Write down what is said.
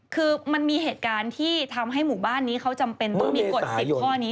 คือมันมีเหตุการณ์ที่ทำให้หมู่บ้านนี้เขาจำเป็นต้องมีกฎ๑๐ข้อนี้